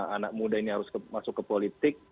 anak muda ini harus masuk ke politik